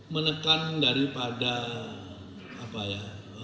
menekan daripada apa ya